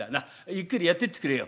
ゆっくりやってってくれよ。